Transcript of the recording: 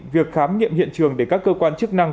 việc khám nghiệm hiện trường để các cơ quan chức năng